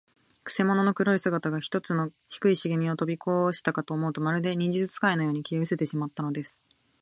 くせ者の黒い姿が、ひとつの低いしげみをとびこしたかと思うと、まるで、忍術使いのように、消えうせてしまったのです。